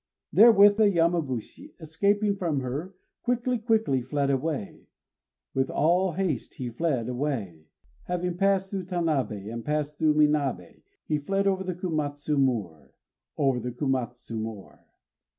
_" Therewith the Yamabushi, escaping from her, quickly, quickly fled away; with all haste he fled away. Having passed through Tanabé and passed through Minabé, he fled on over the Komatsu moor, _Over the Komatsu moor.